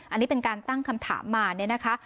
อันนี้เป็นการตั้งคำถามมาเนี่ยนะคะ